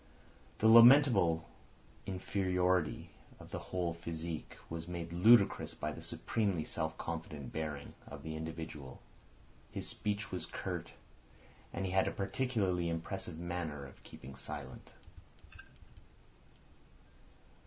The lamentable inferiority of the whole physique was made ludicrous by the supremely self confident bearing of the individual. His speech was curt, and he had a particularly impressive manner of keeping silent.